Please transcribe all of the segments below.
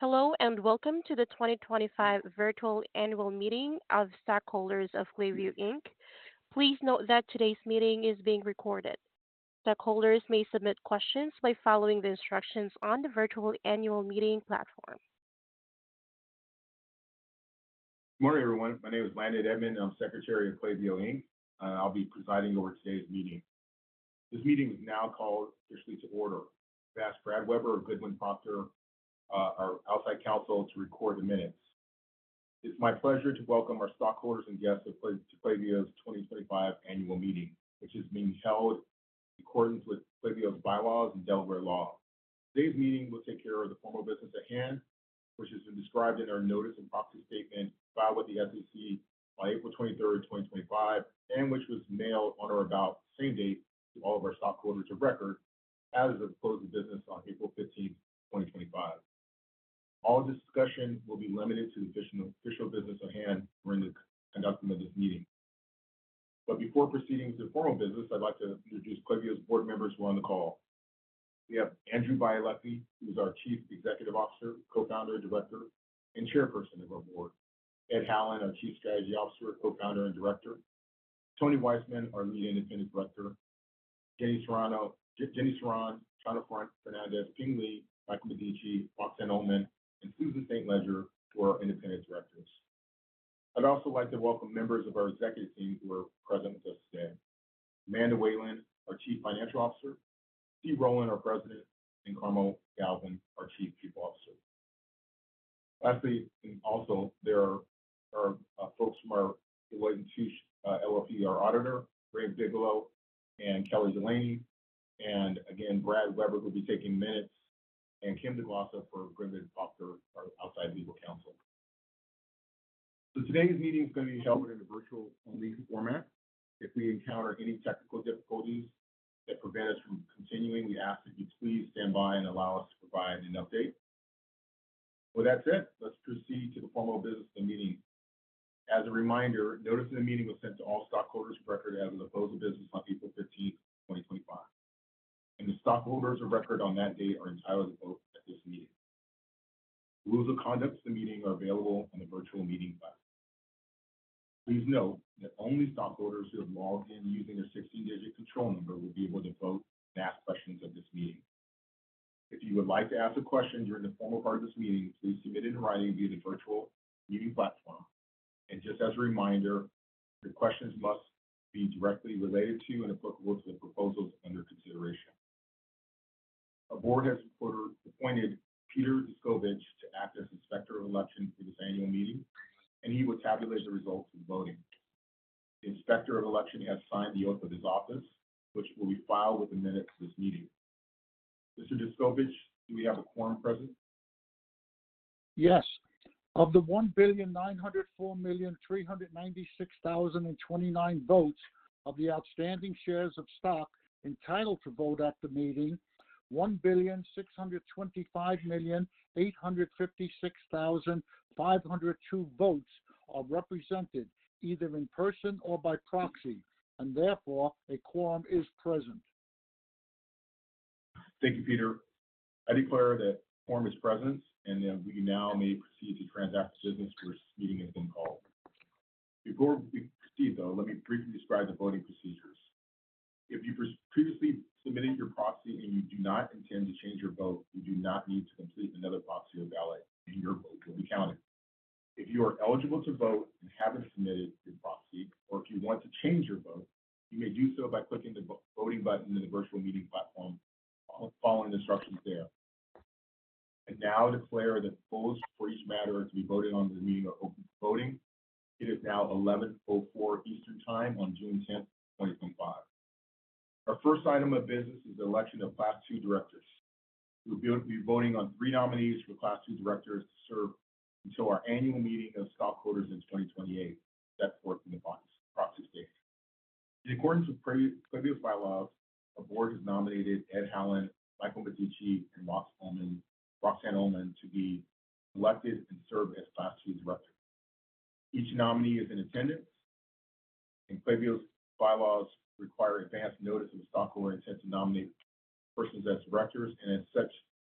Hello, and welcome to the 2025 Virtual Annual Meeting of Stockholders of Klaviyo Inc. Please note that today's meeting is being recorded. Stockholders may submit questions by following the instructions on the Virtual Annual Meeting Platform. Good morning, everyone. My name is Landon Edmond, and I'm Secretary of Klaviyo Inc. I'll be presiding over today's meeting. This meeting is now called officially to order. I've asked Brad Weber of Goodwin Procter, our outside counsel, to record the minutes. It's my pleasure to welcome our stockholders and guests to Klaviyo's 2025 Annual Meeting, which is being held in accordance with Klaviyo's bylaws and Delaware law. Today's meeting will take care of the formal business at hand, which has been described in our Notice of Proxy Statement filed with the SEC on April 23, 2025, and which was mailed on or about the same date to all of our stockholders of record, as of the close of business on April 15, 2025. All discussion will be limited to the official business at hand during the conducting of this meeting. Before proceeding to the formal business, I'd like to introduce Klaviyo's board members who are on the call. We have Andrew Bialecki, who is our Chief Executive Officer, Co-Founder, Director, and Chairperson of our board, Ed Hallen, our Chief Strategy Officer, Co-founder, and Director, Tony Weisman, our Lead Independent Director, Jennifer Ceran, John Fernandez, Ping Li, Michael Medici, Roxanne Oulman, and Susan St. Ledger who are our Independent Directors. I'd also like to welcome members of our Executive Team who are present with us today: Amanda Whalen, our Chief Financial Officer, Steve Rowland, our President, and Carmel Galvin, our Chief People Officer. Lastly, also, there are folks from our Deloitte & Touche LLP, our auditor, Ray Bigelow, and Kelly Delaney, and again, Brad Weber, who'll be taking minutes, and Kim de Glossop for Goodwin Procter, our outside legal counsel. Today's meeting is going to be held in a virtual only format. If we encounter any technical difficulties that prevent us from continuing, we ask that you please stand by and allow us to provide an update. With that said, let's proceed to the formal business of the meeting. As a reminder, Notice of the Meeting was sent to all stockholders of record as a proposal of business on April 15, 2025. The stockholders of record on that date are entitled to vote at this meeting. Rules of Conduct for the meeting are available on the Virtual Meeting platform. Please note that only stockholders who have logged in using their 16-digit control number will be able to vote and ask questions at this meeting. If you would like to ask a question during the formal part of this meeting, please submit it in writing via the Virtual Meeting Platform. And just as a reminder, your questions must be directly related to and applicable to the proposals under consideration. Our board has appointed Peter Deskovich to act as Inspector of Election for this Annual Meeting, and he will tabulate the results of the voting. The Inspector of Election has signed the oath of his office, which will be filed with the minutes of this meeting. Mr. Deskovich, do we have a quorum present? Yes. Of the one billion 904,396,029 votes, of the outstanding shares of stock entitled to vote at the meeting, one billion 625,856,502 votes are represented either in person or by proxy, and therefore a quorum is present. Thank you, Peter. I declare that quorum is present, and that we now may proceed to transact business. This meeting has been called. Before we proceed, though, let me briefly describe the voting procedures. If you've previously submitted your proxy and you do not intend to change your vote, you do not need to complete another proxy or ballot, and your vote will be counted. If you are eligible to vote and haven't submitted your proxy, or if you want to change your vote, you may do so by clicking the voting button in the Virtual Meeting Platform, following the instructions there. And now I declare that the polls for each matter to be voted on in the meeting are open for voting. It is now 11:04 Eastern Time on June 10, 2025. Our first item of business is the election of Class II Directors. We'll be voting on three nominees for Class II Directors to serve until our Annual Meeting of Stockholders in 2028. That's per the proxy statement. In accordance with Klaviyo's bylaws, our board has nominated Ed Hallen, Michael Medici, and Roxanne Oulman to be elected and serve as Class II Directors. Each nominee is in attendance, and Klaviyo's bylaws require advance notice of the stockholder intent to nominate persons as Directors, and as such,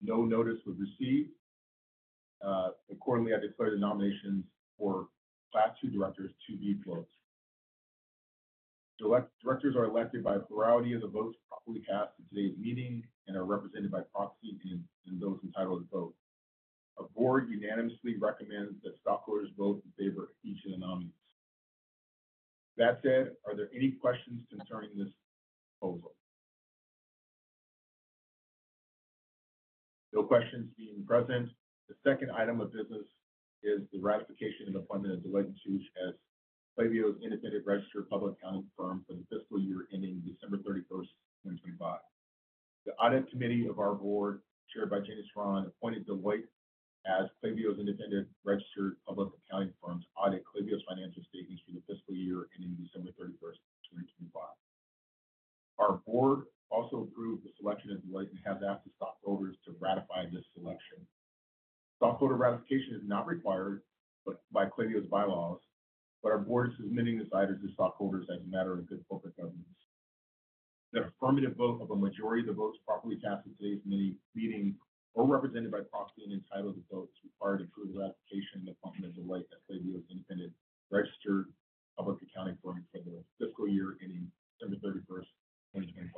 no notice was received. Accordingly, I declare the nominations for Class II Directors to be closed. Directors are elected by a plurality of the votes properly cast at today's meeting and are represented by proxy and those entitled to vote. Our board unanimously recommends that stockholders vote in favor of each of the nominees. That said, are there any questions concerning this proposal? No questions being present. The second item of business is the ratification and appointment of Deloitte & Touche as Klaviyo's Independent Registered Public Accounting Firm for the fiscal year ending December 31, 2025. The Audit Committee of our board, chaired by Jennifer Ceran, appointed Deloitte as Klaviyo's Independent Registered Public Accounting Firm to audit Klaviyo's financial statements for the fiscal year ending December 31, 2025. Our board also approved the selection of Deloitte and has asked the stockholders to ratify this selection. Stockholder ratification is not required by Klaviyo's bylaws, but our board is submitting this item to stockholders as a matter of good corporate governance. The affirmative vote of a majority of the votes properly cast at today's meeting, or represented by proxy and entitled to vote, is required to approve the ratification and appointment of Deloitte as Klaviyo's Independent Registered Public Accounting Firm for the fiscal year ending December 31, 2025.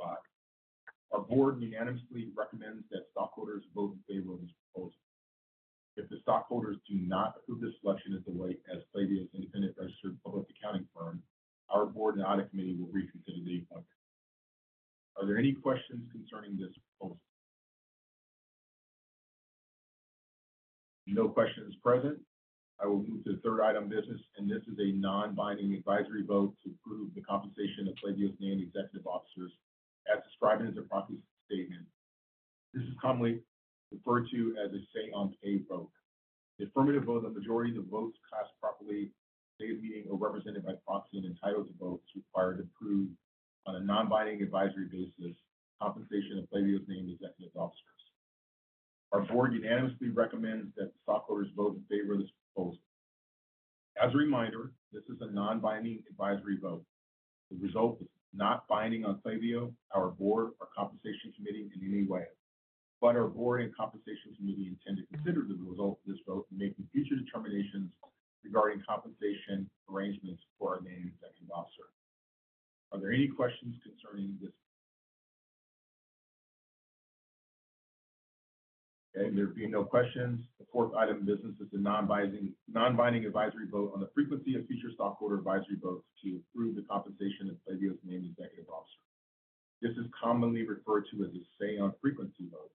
Our board unanimously recommends that stockholders vote in favor of this proposal. If the stockholders do not approve this selection of Deloitte as Klaviyo's Independent Registered Public Accounting Firm, our board and Audit Committee will reconsider the appointment. Are there any questions concerning this proposal? No questions present. I will move to the third item of business, and this is a non-binding advisory vote to approve the compensation of Klaviyo's named executive officers, as described in the proxy statement. This is commonly referred to as a say-on-pay vote. The affirmative vote of a majority of the votes cast properly at today's meeting, or represented by proxy and entitled to vote, is required to approve, on a non-binding advisory basis, compensation of Klaviyo's named executive officers. Our board unanimously recommends that the stockholders vote in favor of this proposal. As a reminder, this is a non-binding advisory vote. The result is not binding on Klaviyo, our board, or Compensation Committee in any way. But our board and Compensation Committee intend to consider the result of this vote and make future determinations regarding compensation arrangements for our named executive officer. Are there any questions concerning this? Okay. There being no questions, the fourth item of business is the non-binding advisory vote on the frequency of future stockholder advisory votes to approve the compensation of Klaviyo's named executive officer. This is commonly referred to as a say-on-frequency vote.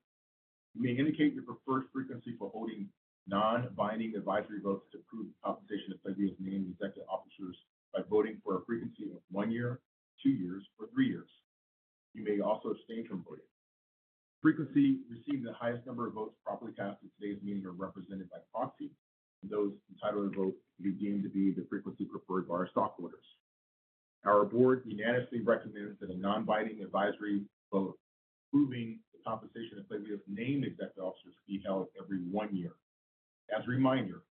You may indicate your preferred frequency for holding non-binding advisory votes to approve the compensation of Klaviyo's named executive officers by voting for a frequency of one year, two years, or three years. You may also abstain from voting. The frequency receiving the highest number of votes properly cast at today's meeting are represented by proxy, and those entitled to vote will be deemed to be the frequency preferred by our stockholders. Our board unanimously recommends that a non-binding advisory vote approving the compensation of Klaviyo's named executive officers be held every one year. As a reminder,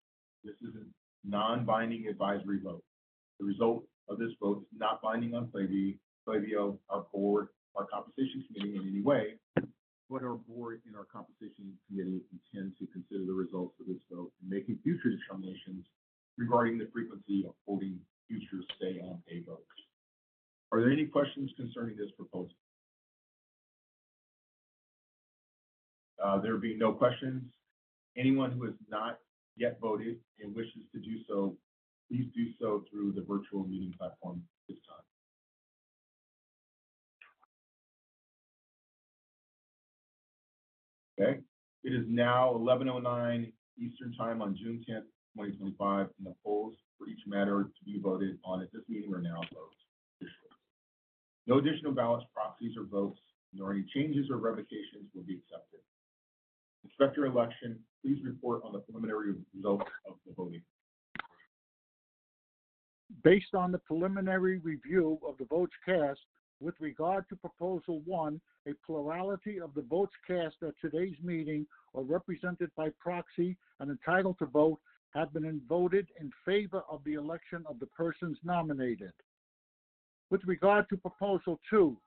this is a non-binding advisory vote. The result of this vote is not binding on Klaviyo, our board, our Compensation Committee in any way, but our board and our Compensation Committee intend to consider the results of this vote and make future determinations regarding the frequency of holding future say-on-pay votes. Are there any questions concerning this proposal? There being no questions, anyone who has not yet voted and wishes to do so, please do so through the Virtual Meeting platform this time. Okay. It is now 11:09 Eastern Time on June 10, 2025, and the polls for each matter to be voted on at this meeting are now closed. No additional ballots, proxies, or votes, nor any changes or revocations will be accepted. Inspector of Election, please report on the preliminary results of the voting. Based on the preliminary review of the votes cast with regard to Proposal 1, a plurality of the votes cast at today's meeting are represented by proxy and entitled to vote, have been voted in favor of the election of the persons nominated. With regard to Proposal 2,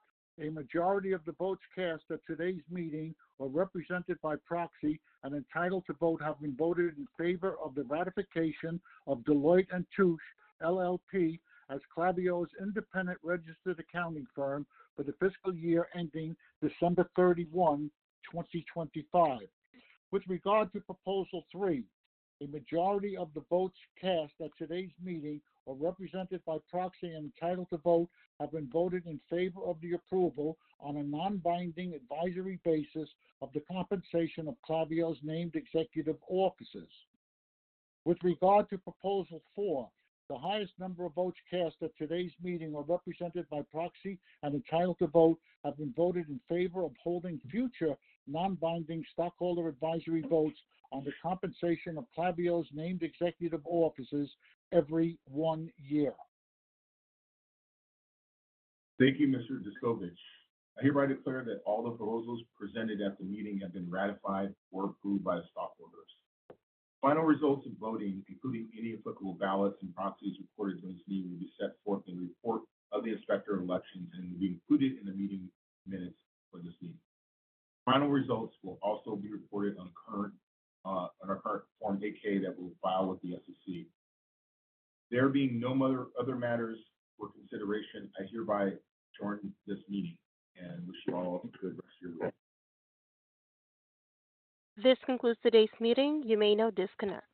a majority of the votes cast at today's meeting are represented by proxy and entitled to vote, have been voted in favor of the ratification of Deloitte & Touche LLP as Klaviyo's Independent Registered Accounting Firm for the fiscal year ending December 31, 2025. With regard to Proposal 3, a majority of the votes cast at today's meeting are represented by proxy and entitled to vote, have been voted in favor of the approval on a non-binding advisory basis of the compensation of Klaviyo's named executive officers. With regard to Proposal 4, the highest number of votes cast at today's meeting are represented by proxy and entitled to vote, have been voted in favor of holding future non-binding stockholder advisory votes on the compensation of Klaviyo's named executive officers every one year. Thank you, Mr. Deskovich. I hereby declare that all the proposals presented at the meeting have been ratified or approved by the stockholders. Final results of voting, including any applicable ballots and proxies recorded during this meeting, will be set forth in the report of the Inspector of Elections and will be included in the meeting minutes for this meeting. Final results will also be reported on our current Form 8-K that we'll file with the SEC. There being no other matters for consideration, I hereby adjourn this meeting and wish you all a good rest of your day. This concludes today's meeting. You may now disconnect.